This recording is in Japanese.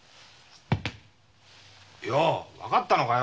ようわかったのかよ！